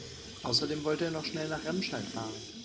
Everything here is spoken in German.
Außerdem wollte er noch schnell nach Remscheid fahren